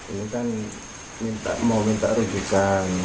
ini kan mau minta rujukan